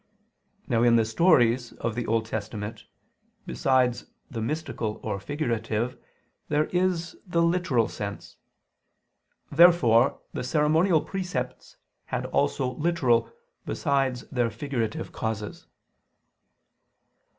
Now in the stories of the Old Testament, besides the mystical or figurative, there is the literal sense. Therefore the ceremonial precepts had also literal, besides their figurative causes.